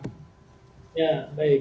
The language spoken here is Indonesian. apa kabar kabar baik ya pak